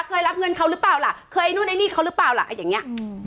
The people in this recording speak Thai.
รับเงินเขาหรือเปล่าล่ะเคยไอ้นู่นไอ้นี่เขาหรือเปล่าล่ะอย่างเงี้อืม